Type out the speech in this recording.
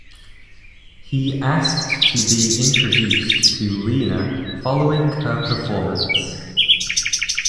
He asked to be introduced to Lena following her performance.